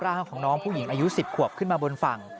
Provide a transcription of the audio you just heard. ร่างของน้องผู้หญิงอายุ๑๐ขวบขึ้นมาบนฝั่ง